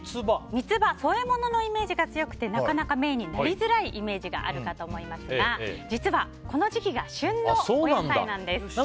ミツバは添え物のイメージが強くてなかなかメインになりづらいイメージがあるかと思いますが実は、この時期が旬のお野菜なんです。